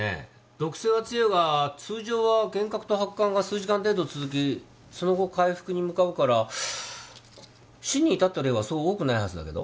毒性は強いが通常は幻覚と発汗が数時間程度続きその後回復に向かうから死に至った例はそう多くないはずだけど。